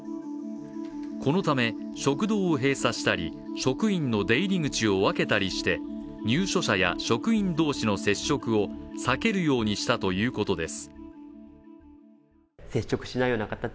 このため、食堂を閉鎖したり職員の出入り口を分けたりして入所者や職員同士の接触を避けるようにしたということです。